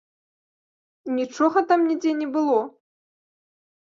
Нічога там нідзе не было.